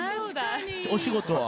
お仕事は？